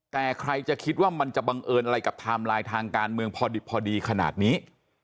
แต่ใครจะคิดว่ามันจะบังเอิญอะไรกับไทม์ไลน์ทางการเมืองพอดิบพอดีขนาดนี้